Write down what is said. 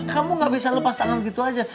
kamu gak bisa lepas tangan gitu aja